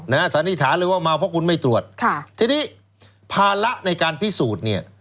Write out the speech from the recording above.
สันนิษฐานเลยว่าเมาเพราะคุณไม่ตรวจค่ะทีนี้ภาระในการพิสูจน์เนี่ย